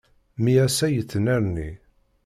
Mmi ass-a yettnerni.